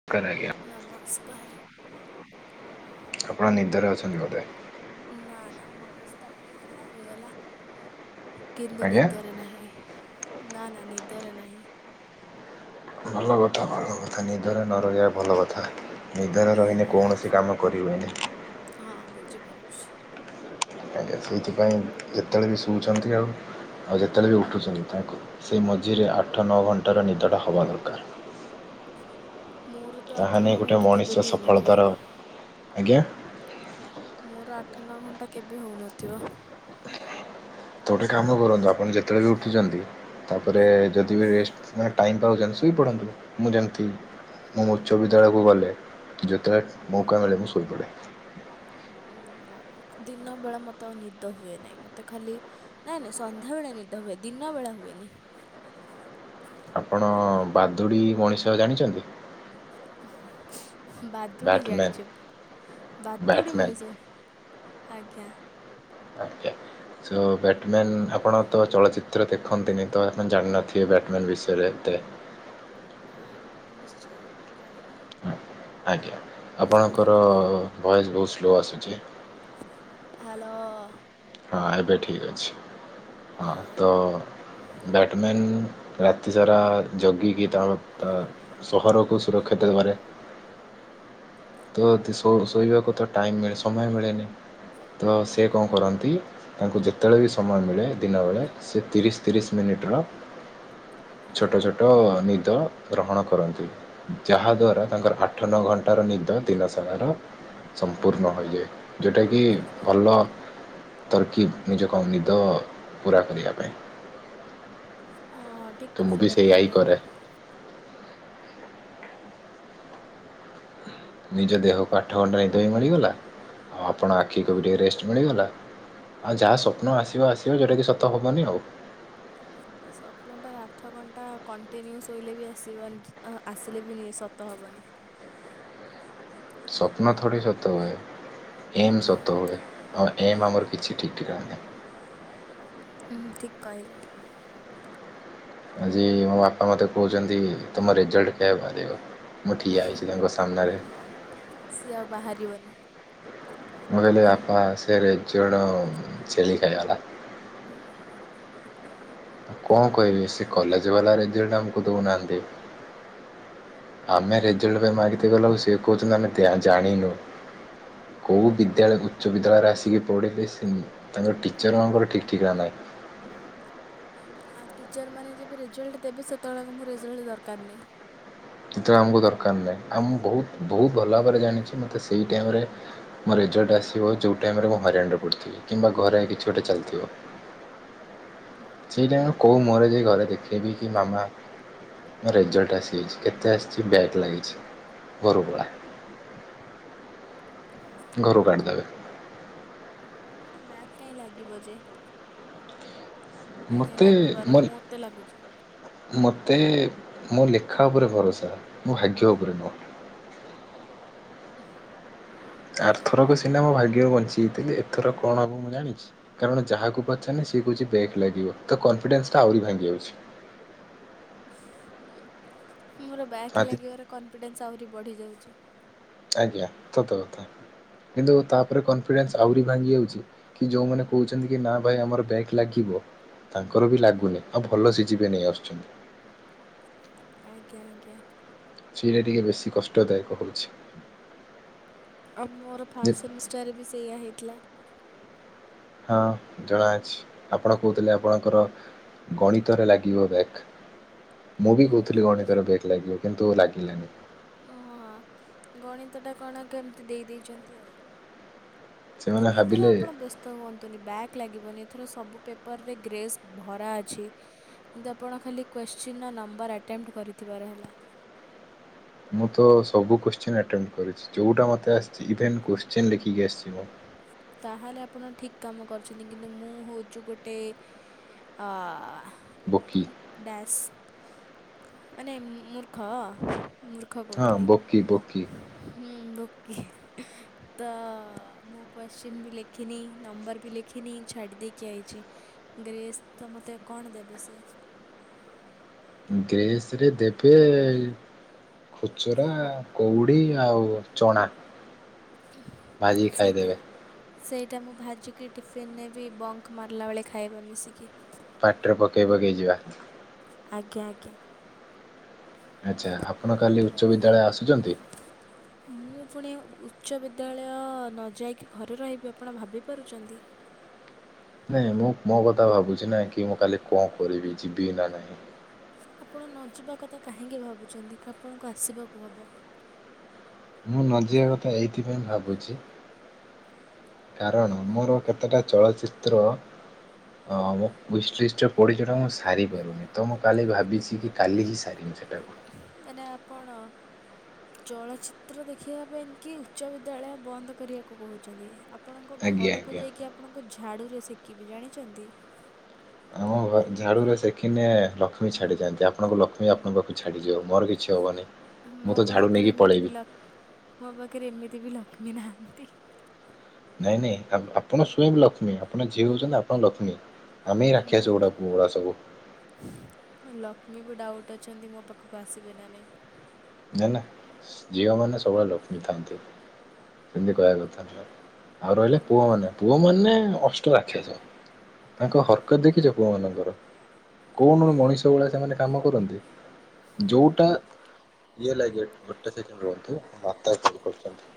[unintelligible] ନମସ୍କାର। ଆପଣ ନିଦରେ ଅଛନ୍ତି ବୋଧେ। ନା ନା ମୋ ଅବସ୍ଥା ଟିକେ ଖରାପ ହେଇଗଲା। କିନ୍ତୁ ଆଜ୍ଞା ନିଦରେ ନାହିଁ ନା ନା ନିଦରେ ନାହିଁ। ଭଲ କଥା ଭଲ କଥା ନିଦରେ ନ ରହିବା ଭଲ କଥା। ନିଦର ଆ, ରହିିଲେ କୌଣସି କାମ କରିହୁଏନି। ହଁ ବୁଝିପାରୁୁଛି। ଆଜ୍ଞା ସେଇଥିପାଇଁ ଯେତେବେଳେ ବି ଶୋଉଛନ୍ତି ଆଉ ଆଉ ଯେତେବେଳେ ବି ଉଠୁଛନ୍ତି ତାଙ୍କୁ ସେ ମଝିରେ ଆଠ ନଅ ଘଣ୍ଟାର ନିଦଟା ହେବା ଦରକାର। ମୋର ତ ଆଠ ତାହା ନଅ ନେଇହିଁ ଗୋଟେ ଘଣ୍ଟା କେବେ ମଣିଷ ବି ହେଉନଥିବ ସଫଳତାର ଆଜ୍ଞା! ମୋର ଆଠ ନଅ ଘଣ୍ଟା କେବେ ହେଉନଥିବ। ତ ଗୋଟେ କାମ କରନ୍ତୁ ଆପଣ ଯେତେବେଳେ ବି ଉଠୁଛନ୍ତି। ତାପରେ ଯଦି ବି ରେଷ୍ଟ ମାନେ ଟାଇମ୍ ପାଉଛନ୍ତି ଶୋଇ ପଢ଼ନ୍ତୁ ମୁଁ ଯେମିତି ମୁଁ ଉଚ୍ଚ ବିଦ୍ୟାଳୟକୁ ଗଲେ ଯେତେବେଳେ ମୌକା ମିଳେ ମୁଁ ଶୋଇପଡ଼େ। ଉଁ ନା ନା ଦିନ ବେଳେ ମତେ ଆଉ ନିଦ ହୁଏ ନାହିଁ ମତେ ଖାଲି। ନାଇଁ ନାଇଁ ସନ୍ଧ୍ୟାବେଳେ ନିଦ ହୁଏ ଦିନ ବେଳ ହୁଏନି। ଆପଣ ବାଦୁଡ଼ି ମଣିଷ ଜାଣିଛନ୍ତି। ହ। [inaudible] ବାଦୁଡ଼ି ବ୍ୟାଟମ୍ୟାନ୍ ଜାଣିଛି ବାଦୁଡ଼ି ବ୍ୟାଟମ୍ୟାନ୍ ମଣିଷ ଆଜ୍ଞା। ଆଛା। [inaudible] ସ ବ୍ୟାଟମ୍ୟାନ୍ ଆପଣ ତ ଚଳଚିତ୍ର ଦେଖନ୍ତିନି ତ ଆପଣ ଜାଣିନଥିବେ ବ୍ୟାଟମ୍ୟାନ୍ ବିଷୟରେ ଏତେ। ହଁ ନିଶ୍ଚୟ ଜାଣିନି। ହଁ ଆଜ୍ଞା ଆପଣଙ୍କର ଭଏସ୍ ବହୁତ ସ୍ଲୋ ଆସୁଛି। ହାଲୋ। ହଁ ଏବେ ଠିକ୍ ଅଛି ହଁ ତ ବ୍ୟାଟମେନ୍ ରାତି ସାରା ଯଗିକି ତା ସହରକୁ ସୁରକ୍ଷିତ ଦେବାରେ ତ ଶୋଇବାକୁ ତ ଟାଇମ୍ ମିଳେ ସମୟ ମିଳେନି ତ ସେ କଣ କରନ୍ତି। ତାଙ୍କୁ ଯେତେବେଳେ ବି ସମୟ ମିଳେ ଦିନବେେଳେ ସେ ତିରିଶ ତିରିଶ ମିନିଟ୍ ର। ଛୋଟ ଛୋଟ ନିଦ ଗ୍ରହଣ କରନ୍ତି। ଯାହା ଦ୍ଵାରା ତାଙ୍କର ଆଠ ନଅ ଘଣ୍ଟାର ନି ତ ଦିନସାରାର ସଂପୁର୍ଣ ହଇଯାଏ ଯୋଉଟା କି ଭଲ ତର୍କିବ ନିଜ କମ ନିଦ ଅ ପୁରା କରିବା ପାଇଁ। ହଁ ହଁ ଠିକ୍ ତ ମୁଁ ବି କଥାଟା ସେଇଆ ହିଁ କହିଲେ। କରେ। ନିଜ ଦେହକୁ ଆଠ ଘଣ୍ଟା ନିଦ ବି ମିଳିଗଲା ଆଉ ଆପଣ ଆଖିକୁ ବି ଟିକେ ରେଷ୍ଟ ମିଳିଗଲା। ଆଉ ଯାହା ସ୍ୱପ୍ନ ଆସିବ ଆସିବ ଯୋଉଟାକି ସତ ହବନି ଆଉ। ସ୍ୱପ୍ନଟା ଆଠ ଘଣ୍ଟା କଣ୍ଟିନ୍ୟୁ ଶୋଇଲେ ବି ଆସିବନି ଅ ଆସିଲେ ବି ସତ ହବନି। ସ୍ୱପ୍ନ ଥୋଡ଼ି ସତ ହୁଏ ଏମ୍ ସତ ହୁଏ। ତ ଏମ୍ ଆମର କିଛି ଠିକ୍ ଠିକଣା ନାଇଁ। ହୁଁ ହୁଁ ଠିକ୍ କହିଲେ। ଆଜି ମୋ ବାପା ମତେ କହୁଚନ୍ତି ତମ ରେଜଲ୍ଟ କେବେ ବାହାରିବ? ମୁଁ ଠିଆ ହେଇଚି ତାଙ୍କ ସାମ୍ନାରେ ସିଏ ଆଉ ବାହାରିବନି। ମୁଁ କହିଲି ବାପା ସେ ରେଜଲ୍ଟ ଛେଳି ଖାଇଗଲା। ଉଁ ହେଁ ହେଁ ହେଁ। ତ କଣ କହିବି ସେ କଲେଜ ବାଲା ରେଜଲ୍ଟ ଆମକୁ ଦଉନାହାନ୍ତି। ଆମେ ରେଜଲ୍ଟ ପାଇଁ ମାଗିତେ ଗଲାଉ ସିଏ କହୁଚନ୍ତି ଆମେ ତେଆ ଜାଣିନୁ। କୋଉ ବିଦ୍ୟାଳୟ ଉଚ୍ଚ ବିଦ୍ୟାଳୟର ଆସିକି ପଢ଼ିଲେ ସିମ ତାଙ୍କର ଟିଚର୍ ମାନଙ୍କର ଠିକ୍ ଠିକଣା ନାଇଁ। ହୁଁ ହେଁ ଆଉ ଟିଚର୍ ମାନେ ଯେବେ ରେଜଲ୍ଟ ଦେବେ ସେତବେଳକୁ ମୋ ରେଜଲ୍ଟ ଦରକାର ନାଇଁ। ଯେତବେଳେ ଆମକୁ ଦରକାର ନାଇଁ ଆଉ ମୁଁ ବହୁତୁ ବହୁତ ଭଲ ଭାବରେ ଜାଣିଚି ମୋତେ ସେଇ ଟାଇମ୍ ରେ ମୋ ରେଜଲ୍ଟ ଆସିବ ଯୋଉ ଟାଇମରେ ମୁଁ ହଇରାଣରେ ପଡ଼ି଼ଥିବି କିମ୍ବା ଘରେ କିଛି ଗୋଟେ ଚାଲଥିବ। ସେଇ ଟାଇମ୍ ବେଳକୁ କୋଉ ମୁହଁରେ ଯାଇ ଘରେ ଦେଖେଇବି କି ମାମା ମୋ ରେଜଲ୍ଟ ଆସିଯାଇଛି କେତେ ଆସଚି ବ୍ୟାକ୍ ଲାଗିଚି ଘରୁ ପଳା ଉଁହଁ ଘରୁ କାଢ଼ିଦେବେ। ଉଁହଁ ମୋତେ ବ୍ୟାକ୍ କାଇଁ ଲାଗିବ ଯେ। ନାଇଁ ନାଇଁ ମୋତେ ଲାଗିପାରେ ମୋ ମୋତେ ଲାଗୁଚି। ମୋତେ ମୋ ଲେଖା ଉପରେ ଭରସା ମୋ ଭାଗ୍ୟ ଉପରେ ନୁହଁ। ଅଫ ଆରଥରକ ସିନା ମୋ ଭାଗ୍ୟରୁ ବଞ୍ଚିଯାଇଥିଲି ଏଥର କଣ ହେବ ମୁଁ ଜାଣିଚି? କାରଣ ଯାହାକୁ ପଚାରିନେ ସିଏ କହୁଛି ବ୍ୟାକ୍ ଲାଗିବ ତ କନଫିଡେନ୍ସଟା ଆହୁରି ଭାଙ୍ଗି ଯାଉଛି। ମୋର ବ୍ୟାକ୍ ଆଦି ଲାଗିବାର କନଫିଡେନ୍ସ ଆହୁରି ବଢ଼ି ଯାଉଛି। ଆଜ୍ଞା ସତ କଥା କିନ୍ତୁ ତାପରେ କନଫିଡେନ୍ସ ଆହୁରି ଭାଙ୍ଗି ଯାଉଛି କି ଯୋଉମାନେ କହୁଚନ୍ତି କି ନା ଭାଇ ଆମର ବ୍ୟାକ୍ ଲାଗିବ ତାଙ୍କର ବି ଲାଗୁନି ଆଉ ଭଲ ସେ ଯିବେ ନେଇ ଆସୁଛନ୍ତି। ଆଜ୍ଞା ଆଜ୍ଞା। ସେଇଟା ଟିକେ ବେଶୀ କଷ୍ଟଦାୟକ ହଉଛି। ଆଉ ମୋର ଯେ ଫାଷ୍ଟ ସେମିଷ୍ଟାର ବି ସେଇଆ ହେଇଥିଲା। ହଁ ଜଣାଅଛି ଆପଣ କହୁଥିଲେ ଆପଣଙ୍କର ଗଣିତରେ ଲାଗିବ ବ୍ୟାକ। ମୁଁ ବି କହୁଥିଲି ଗଣିତରେ ବ୍ୟାକ୍ ଲାଗିବ କିନ୍ତୁ ଲାଗିଲାନି। ଓ ହଁ ହାଁ ଗଣିତ ଟା କଣ କେମତି ଦେଇ ଦେଇଚନ୍ତି ଆଉ। ସେମାନେ ଏଇଥର ଭାବିଲେ ଆପଣ ବ୍ୟସ୍ତ ତ ହୁଅନ୍ତୁନି ବ୍ୟାକ୍ ଲାଗିବନି ଏଥିର ସବୁ ପେପରରେ ଗ୍ରେସ୍ ଭରା ଅଛି। କିନ୍ତୁ ଆପଣ ଖାଲି କ୍ୱଶ୍ଚିନ୍ ନମ୍ବର ଆଟେମ୍ପଟ କରିଥିବାର ହେଲା। ମୁଁ ତ ସବୁ କୋଶ୍ଚିନ୍ ଆଟେମ୍ କରିଛି ଯଉଟା ମୋତେ ଆସିଛି ଇଭେନ କୋଶ୍ଚିନ ଲେଖିକି ଆସିଛି ମୁଁ। ତାହେଲେ ଆପଣ ଠିକ କାମ କରୁଛନ୍ତି କିନ୍ତୁ ମୁଁ ହେଉଛି ଗୋଟେ ହଁ। ବୋକି। ଡ୍ୟାସ୍ ମାନେ ମୂର୍ଖ ମୂ ଦୁଖ ହଁ କହୁଥିଲି ବୋକି ବୋକି ହୁଁ ବୋକୀ ତ ମୁଁ କୋଶ୍ଚିନ୍ ବି ଲେଖିନି ନମ୍ବର ବି ଲେଖିନି ଛାଡ଼ି ଦେଇକି ଆଇଛି। ଗ୍ରେସ୍ ତ ମତେ କଣ ଦେବେ ସିଏ? ଗ୍ରେସରେ ଦେବେ ଖୁଚୁରା କଉଡ଼ି ଆଉ ଚଣା। ଭାଜିକି ସେଇଟା। ଖାଇଦେବେ ସେଇଟା ମୁଁ ଭାଜିକି ଟିଫିନେ ବି ବଙ୍କ ମାରିଲା ବେଳେ ଖାଇବା ମିଶିକି। ପାଟିରେ ପକେଇ ପକେଇ ଯିବା। ଆଜ୍ଞା ଆଜ୍ଞା। ଆଚ୍ଛା ଆପଣ କାଲି ଉଚ୍ଚ ବିଦ୍ୟାଳୟ ଆସୁଛନ୍ତି। ମୁଁ ପୁଣି ଉଚ୍ଚ ବିଦ୍ୟାଳୟ ନଯାଇକି ଘରେ ରହିବି ଆପଣ ଭାବିପାରୁଛନ୍ତି? ନାଇଁ ମୁଁ ମୋ କଥା ଭାବୁଛି ନାଇଁ କି ମୁଁ କାଲି କଣ କରିବି ଯିବି ନା ନାଇଁ? ଆପଣ ନ ଯିବା କଥା କାହିଁକି ଭାବୁଛନ୍ତି ଆପଣଙ୍କୁ ଆସିବାକୁ ହବ। ମୁଁ ନ ଯିବା କଥା ଏଇଥିପାଇଁ ଭାବୁଛି। କାରଣ ମୋର କେତେଟା ଚଳଚିତ୍ର ହଁ ମୋ ୱିସ୍ ଲିଷ୍ଟରେ ପଡ଼ିଛିଟା ମୁଁ ସାରିପାରୁନି ତ ମୁଁ କାଲି ଭାବିଛି କି କାଲି ହିଁ ସାରିନି ସେଇଟା। ମାନେ ଆପଣ? ଚଳଚିତ୍ର ଦେଖିବା ପାଇଁ କି ଉଚ୍ଚ ବିଦ୍ୟାଳୟ ବନ୍ଦ କରିବାକୁ କହୁଛନ୍ତି। ଆପଣଙ୍କ ଆଜ୍ଞା ଘରକୁ ଆଜ୍ଞା। ଯାଇକି ଆପଣଙ୍କ ଝାଡ଼ୁରେ ସେକିବି ଜାଣିଛନ୍ତି। ଆମ ଘରେ ଝାଡୁରେ ସେଖିନେ ଲକ୍ଷ୍ମୀ ଛାଡିଯାଆନ୍ତି ଆପଣଙ୍କ ଲକ୍ଷ୍ମୀ ଆପଣଙ୍କ ପାଖକୁ ଛାଡ଼ିଯିବ। ମୋର କିଛି ହେବନାହିଁ ମୋ ମୁଁ ତ ଝାଡ଼ୁ ପାଖରେ ନେଇକି ଏମିତି ବି ପଳେଇବି। ଲ ମୋ ପାଖରେ ଏମିତି ବି ଲକ୍ଷ୍ମୀ ନାହାନ୍ତି। ନାଇଁ ନାଇଁ ଆପଣ ସ୍ଵୟଁ ବି ଲକ୍ଷ୍ମୀ ଆପଣ ଯିଏ ହଉଛନ୍ତି ଆପଣ ଲକ୍ଷ୍ମୀ ଆମେ ରାଖିଆସ ମୁଁ ଗୁଡାକ ମୁଡ଼ା ସବୁ ଲକ୍ଷ୍ମୀ ବି ଡାଉଟ୍ ଅଛନ୍ତି ମୋ ପାଖକୁ ଆସିବେ ନା ନାହିଁ। ନାଇ ନା ଝିଅ ମାନେ ସବୁବେଳେ ଲକ୍ଷ୍ମୀ ଥାନ୍ତି ସେମିତି କହିବା କଥାନୁହେଁ। ଆଉ ରହିଲେ ପୁଅ ଏଇଟା ମାନେ? ପୁଅ ମାନେ ଅଷ୍ଟ ରାକ୍ଷାସ ତାଙ୍କ ହରକତ ଦେଖିଛ ପୁଅ ମାନଙ୍କର? [inaudible] ମଣିଷ ଭଳିଆ ସେମାନେ କାମ କରନ୍ତି ଯୋଉଟା ଇଏ ଲାଗି ଗୋଟେ ସେକଣ୍ଡ ରୁହନ୍ତୁ କରୁଛନ୍ତି।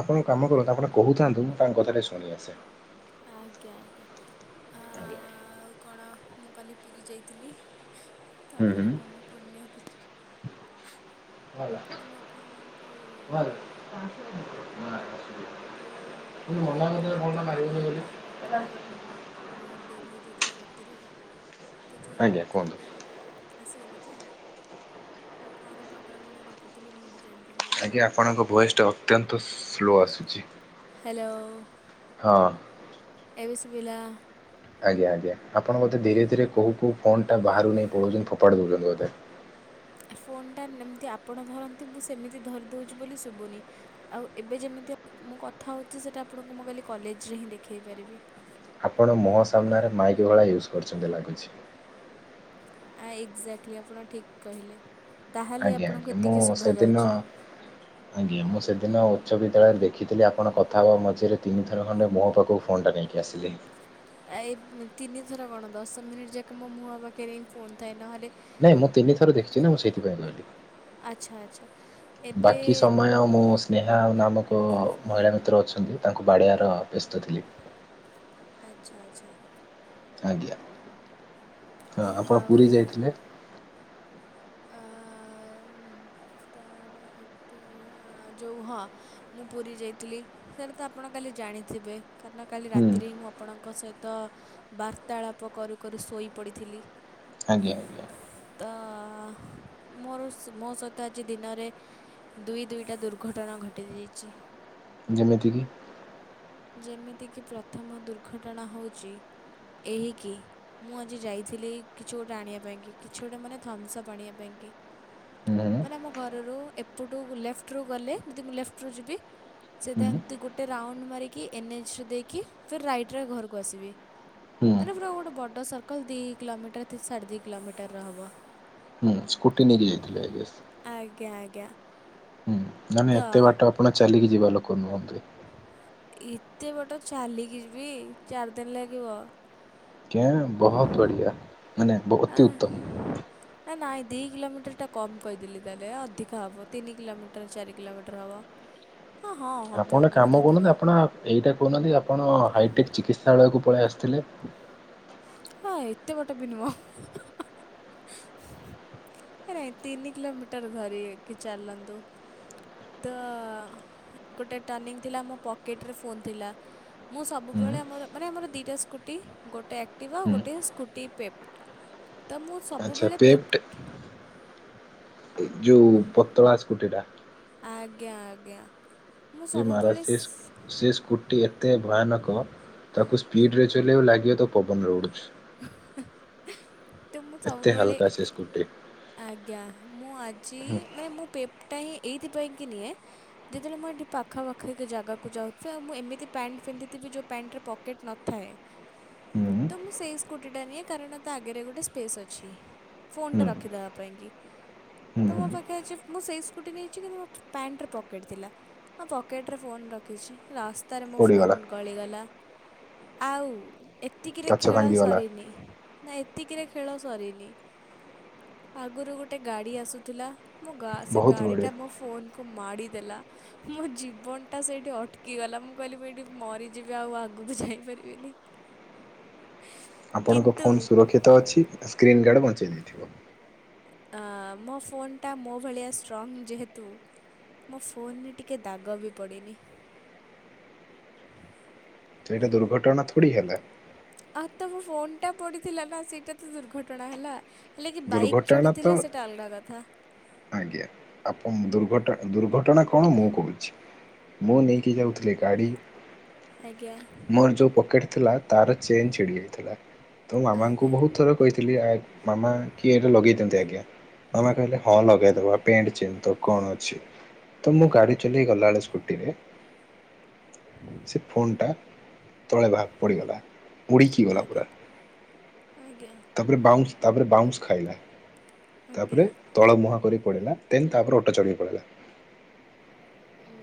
ଆପଣଙ୍କ କାମ କରନ୍ତୁ ଆପଣ କହୁଥାନ୍ତୁ ମୁଁ ତାଙ୍କ କଥାଟ ଶୁଣି ଆସେ। ଆଜ୍ଞା ଆଜ୍ଞା ଆଜ୍ଞା ଆଉ କଣ ମୁଁ? କାଲି ପୁରୀ ଯାଇଥିଲି ହୁଁ ତାପରେ ହୁଁ। ମନ ପୁରୁଣି ଲାଗୁଛି। ନା ମୁଁ ଆପଣଙ୍କୁ ଆ ଯୋଉ କାଲି ଯୋଉ ପୁରୀ ଗଲା ଗଲାବେଳକୁ ବହୁତ ଡେରି ହେଇଯାଇଥିଲା ରାତିରେ ତ ଯେଉଁ ଆଜ୍ଞା ରାତିରେ କୁହନ୍ତୁ। ଡ ଆସିଗଲେ ତ ମୁଁ କଣ ପାଗଳ ଭଳିଆ ଗପୁଥିଲି ମୁଁ ବି ଜାଣିପାରୁ ଆଜ୍ଞା ଆପଣଙ୍କ ଭଏସଟା ଅତ୍ୟନ୍ତ ସ୍ଲୋ ଆସୁଛି। ହ୍ୟାଲୋ। ହଁ। ଏବେ ଶୁଭିଲା। ଆଜ୍ଞା ଆଜ୍ଞା ଆପଣ ବୋଧେ ଧୀରେ ଧୀରେ କୋଉଠୁ ଫୋନ୍ ଟା ବାହାରୁକୁ ନେଇ ପଳଉଛନ୍ତି ଫୋପାଡ଼ି ଦେଉଛନ୍ତି ବୋଧେ? ଫୋନ୍ ଟା ଏମିତି ଆପଣ ଧରନ୍ତି ମୁଁ ସେମିତି ଧରିଦଉଛି ବୋଲି ଶୁଭୁନି। ଆଉ ଏବେ ଯେମିତି ମୁଁ କଥା ହେଉଛି, ସେଇଟା ଆପଣଙ୍କୁ ମୁଁ କାଲି କଲେଜରେ ହିଁ ଦେଖେଇ ପାରିବି। ଆପଣ ମୁହଁ ସାମ୍ନାରେ ମାଇକି ଭଳିଆ ୟୁଜ୍ କରୁଛନ୍ତି ଲାଗୁଛି। ଆ ଏକ୍ଜାକ୍ଟଲି ଆପଣ ଠିକ୍ କହିଲେ, ତାହେଲେ ଆପଣଙ୍କୁ ଏତିକି ଶୁଭାଯାଉଛି। ହୁଁ ଆଜ୍ଞା ମୁଁ ସେଦିନ ଉଚ୍ଚ ବିଦ୍ୟାଳୟରେ ଦେଖିଥିଲି ଆପଣ କଥା ହେବା ମଝିରେ ତିନିଥର ଖଣ୍ଡେ ମୁହଁ ପାଖକୁ ଫୋନ ଟା ନେ ଇ ଆସିଲେ। ଆ ଏଇ ତିନିଥର କଣ ଦଶ ମିନିଟ୍ ଯାକ ମୋ ମୁହଁ ପାଖରେ ହିଁ ଫୋନ ଥାଏ, ନହେଲେ ନାଇଁ ମୁଁ ତିନିଥର ଦେଖିଛି ନା, ମୁଁ ସେଥିପାଇଁ କହିଲି। ଆଚ୍ଛା ଆଚ୍ଛା ଏବେ ବାକି ସମୟ ମୁଁ ସ୍ନେହା ନାମକ ମହିଳା ମିତ୍ର ଅଛନ୍ତି, ତାଙ୍କୁ ବାଡ଼ିଆର ବ୍ୟସ୍ତ ଥିଲି। ଆଚ୍ଛା ଆଚ୍ଛା। ଆଜ୍ଞା ହଁ ଆପଣ ପୁରୀ ଆଉ ଯାଇଥିଲେ? ଆ ତାର ଏତେ ଯୋଉ ହଁ ମୁଁ ପୁରୀ ଯାଇଥିଲି, ସେଇଟା ତ ଆପଣ କାଲି ଜାଣିଥିବେ କାରଣ କାଲି ହୁଁ ରାତିରେ ହିଁ ମୁଁ ଆପଣଙ୍କ ସହିତ ବାର୍ତ୍ତାଳାପ କରୁ କରୁ ଶୋଇପଡ଼ିଥିଲି। ଆଜ୍ଞା। ତ ମୋର ମୋ ସହି ତ ଆଜି ଦିନରେ ଦୁଇ ଦୁଇଟା ଦୁର୍ଘଟଣା ଘଟିଯାଇଛି। ଯେମିତିକି ଯେମିତିକି ପ୍ରଥମ ଦୁର୍ଘଟଣା ହେଉଛି, ଏହିକି ମୁଁ ଆଜି ଯାଇଥିଲି କିଛି ଗୋଟେ ଆଣିବା ପାଇଁକି, କିଛି ଗୋଟେ ମାନେ ଥମ୍ସଅପ୍ ଆଣିବା ପାଇଁକି। ହୁଁ ମାନେ ଆମ ଘରରୁ ଏପଟୁ ଲେଫ୍ଟରୁୁ ଗଲେ, ଯଦି ମୁଁ ଲେଫ୍ଟରୁୁ ଯିବି ହୁଁ ସିଧା ଏମିତି ଗୋଟେ ରାଉଣ୍ଡ ମାରିକି, ଏନ୍ ଏଚ୍ ରେ ଦେଇକି ଫିର୍ ରାଇଟ ରେ ଘରକୁ ଆସିବି। ହୁଁ ମାନେ ପୁରା ଗୋଟେ ବର୍ଡ ସର୍କଲ, ଦି କିଲୋମିଟର ସାଢ଼େ ଦି କିଲୋମିଟର ର ହବ। ହୁଁ ସ୍କୁଟି ନେଇକି ଯାଇଥିଲେ ଆ ଆଜ୍ଞା ଆଜ୍ଞା। ହୁଁ ନାଁ ତ ଏତେ ବାଟ ଆପଣ ଚାଲିକି ଯିବା ଲୋକ ନୁହଁନ୍ତି। ଏତେ ବାଟ ଚାଲିକି ଯିବି, ଚାରି ଦିନ ଲାଗିବ। ଏହା ବହତ ବଢ଼ିଆ। ମାନେ ଆ ଅତି ଉତ୍ତମ। ଏ ନାଇଁ ଦୁଇ କିଲୋମିଟରଟା କମ୍ କହିଦେଲି ତାହେଲେ, ଅଧିକ ହେବ ତିନି କିଲୋମିଟର ଚାରି କିଲୋମିଟର ହବ। ହ ଆପଣ ଗୋଟେ କାମ ଅଧିକ କହୁନାହାନ୍ତି ଆପଣ ଏଇଟା କହୁନାହା, ନ୍ତି ଆପଣ ହାଇଟେକ୍ ଚିକିତ୍ସାଳୟକୁ ପଳେଇ ଆସିଥିଲେ। ହଁ ଏତେ ବାଟ ବି ନୁହଁ। [unintelligible] ତିନି କିଲୋମିଟର ଧରିକି ଚାଲନ୍ତୁ। ତ ଗୋଟେ ଟର୍ଣିଂ ଥିଲା ମୋ ପକେଟରେ ଫୋନ୍ ଥିଲା। ମୁଁ ହୁଁ ସବୁବେଳେ ମୋର, ମାନେ ଆମର ଦିଇଟା ସ୍କୁଟି ଗୋଟେ ଥିବ ହୁଁ ଗୋଟେ ସ୍କୁଟି ପେପ୍ଟ, ତ ମୁଁ ସବୁବେଳେ ପେପ୍ଟ ଯୋଉ ପତଳା ସ୍କୁଟିଟା। ଆଜ୍ଞା ଆଜ୍ଞା ମୁଁ ସବୁବେଳେ ସ୍ ଟି ଏତେ ଭୟାନକ ତାକୁ ସ୍ପିଡ ରେ ଚଲେଇବୁ ଲାଗିବ ତୁ ପବନରେ ଉଡୁଚୁ। ତ ମୁଁ ସବୁବେଳେ। ହାଲକା ସେ ସ୍କୁଟି। ଆଜ୍ଞା ମୁଁ ଆଜି ହୁଁ ମାନେ ମୁଁ ପେପଟା ହିଁ ଏଇଥିପାଇଁକି ନିଏ। ଯେତେବେଳେ ମୁଁ ଏଇଠି ପାଖାପଖି ଏକ ଜାଗାକୁ ଯାଉଥିବି ଆଉଁ ଏମିତି ପ୍ୟାଣ୍ଟ ପିନ୍ଧିଥିବି ଯେଉଁ ପଣ୍ଟରେ ପକେଟ୍ ନଥାଏ। ହ ତ ମୁଁ ସେଇ ସ୍କୁଟିଟା ନିଏ କାରଣ ତା ଆଗରେ ଗୋଟେ। ଗୋଟେ ସ୍ପେସ୍ ଅଛି ହୁଁ ଫୋନଟା ରଖିଦବା ପାଇଁକି। ତ ହୁଁ ମୋ ପାଖେ ଅଛି ମୁଁ ସେଇ ସ୍କୁଟି ନେଇଚି କିନ୍ତୁ ମୋ ପ୍ୟାଣ୍ଟରେ ପକେଟ୍ ଥିଲା। ହଁ ପକେଟ୍ରେ ଫୋନ୍ ରଖିଛି ରାସ୍ ସ୍ତା ରେ ମୋ ଫୋନ୍ ପଡ଼ିଗଲା। ଗଳିଗଲା ଆଉ। ଏତିକିରେ କାଚ ଖେଳ ଭାଙ୍ଗିଗଲା ସରିନି ନାଇ। ଏତିକିରେ ଖେଳ ସରିନି ଆଗୁରୁ ଗୋଟେ ଗାଡି ଆସୁଥିଲା। ମୋ ଗା ସେ ବହୁତ ବଢ଼ିଆ ଗାଡ଼ିଟା ମୋ ଫୋନ୍କୁ ମାଡ଼ିଦେଲା। ମୋ ଜୀବନ ଟା ସେଇଠି ଅଟକିଗଲା। ମୁଁ କହିଲି ମୁଁ ଏଇଠି ମରିଯିବି ଆଉ ଆଗକୁ ଯାଇପାରିବିନି। ଆପଣଙ୍କ କିନ୍ତୁ ଫୋନ ସୁରକ୍ଷିତ ଅଛି ଆଉ ସ୍କିର୍ନ ଗାଡ଼ ବଞ୍ଚେଇ ଦେଇଥିବ। ଏ ହାଁ ମୋ ଫୋନ୍ଟା ମୋ ଭଳିଆ ଷ୍ଟ୍ରଙ୍ଗ୍ ଯେହେତୁ। ମୋ ଫୋନରେ ଟିକେ ଦାଗ ବି ପଡ଼ିନି। ତ ଏଇଟା ଦୁର୍ଘଟଣା ଥୋଡ଼ି ହେଲା। ଆଉ ତ ମୋ ଫୋନ ଟା ପଡିଥିଲା ନା ସେଇଟା ତ ଦୁର୍ଘଟଣା ହେଲା। ହେଲେ କି ବାଇକ୍ ଦୁର୍ଘଟଣା ତ ଚଢ଼ିଥିଲା ସେଟା ଅଲଗା କଥା। ଆଜ୍ଞା ଆପଣ ଦୁର୍ଘଟ ଦୁର୍ଘଟଣା କଣ ମୁଁ କହୁଛି। ମୁଁ ନେଇକି ଯାଉଥିଲି ଗାଡ଼ି। ଆଜ୍ଞା। ମୋର ଯୋଉ ପକେଟ ଥିଲା ତାର ଚେନ୍ ଛିଡ଼ି ଯାଇଥିଲା। ତ ମାମାଙ୍କୁ ଆଜ୍ଞା ବହୁତ ଥର କହିଥିଲି ଆ ମାମା। କି ଏଇଟା ଲଗେଇ ଦିଅନ୍ତୁ ଆଜ୍ଞା ମାମା କହିଲେ ହଁ ଲଗେଇଦେବା ପେଣ୍ଟ ଚେନ ତ କଣ ଅଛି। ତ ମୁଁ ଗାଡି ଚଲେଇ ଗଲାବେଳେ ସ୍କୁଟିରେ। ସେ ଫୋନ୍ ଟା ତଳେ ଭା ପଡିଗଲା। ଆଜ୍ଞା ଆଜ୍ଞା। ତାପରେ ବାଉନ୍ସ ତାପରେ ବାଉନ୍ସ ଖାଇଲା ତାପରେ। ଆଜ୍ଞା। ତଳ ମୁହାଁ କରି ପଡ଼ିଲା ଦେନ୍ ତାପରେ ଅଟୋ ଚ଼ଢ଼ିକି ପଲେଇଲା। ଉୁଁ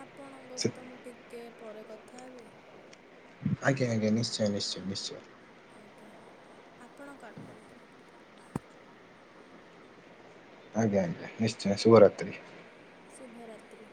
ଆପଣଙ୍କ ସେ ସହିତ ମୁଁ ଟିକେ ପରେ କଥା ହେବି। ଆଜ୍ଞା ଆଜ୍ଞା ନିଶ୍ଚୟ ନିଶ୍ଚୟ ନିଶ୍ଚୟ। ଆଜ୍ଞା ଆପଣ କାଟନ୍ତୁ। ଆଜ୍ଞା ଆଜ୍ଞା ନିଶ୍ଚୟ ଶୁଭରାତ୍ରି। ଶୁଭ ରାତ୍ରି?